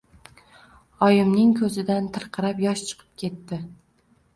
Oyimning ko‘zidan tirqirab yosh chiqib ketdi.